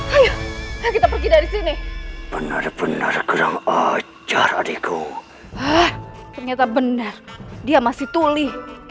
ayo kita pergi dari sini benar benar kurang ajar adikku ah ternyata benar dia masih tuli